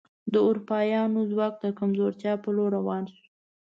د اروپایانو ځواک د کمزورتیا په لور روان شو.